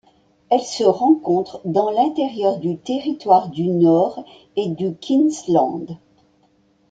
Elle se rencontre dans l'intérieur du Territoire du Nord et du Queensland.